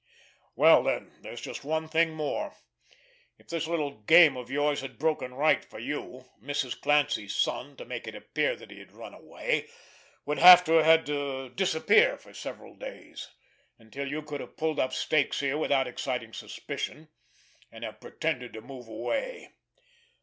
Well, then, there's just one thing more. If this little game of yours had broken right for you, Mrs. Clancy's son—to make it appear that he had run away—would have had to disappear for several days, until you could have pulled up stakes here without exciting suspicion, and have pretended to move away.